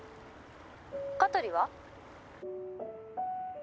香取は？」